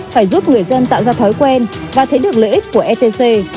phải giúp người dân tạo ra thói quen và thấy được lợi ích của etc